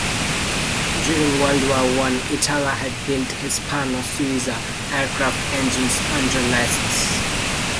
During World War One Itala had built Hispano-Suiza aircraft engines under license.